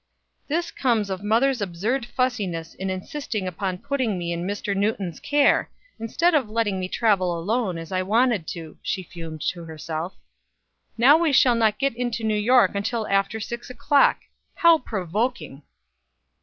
"This comes of mother's absurd fussiness in insisting upon putting me in Mr. Newton's care, instead of letting me travel alone, as I wanted to," she fumed to herself. "Now we shall not get into New York until after six o'clock! How provoking!"